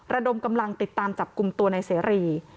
ระดมกำลังติดตามจับกลุ่มตัวในเสรี